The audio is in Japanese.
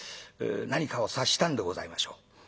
何かを察したんでございましょう。